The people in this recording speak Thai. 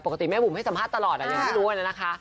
ปกติแม่บุ๋มให้สัมภาษณ์ตลอดยังไม่รู้เลยนะคะ